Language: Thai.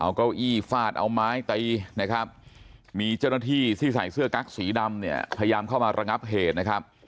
เอาเก้าอี้ฟาดเอาไม้ตีนะครับมีเจ้าหน้าที่ที่ใส่เสื้อกั๊กสีดำเนี่ยพยายามเข้ามาระงับเหตุนะครับ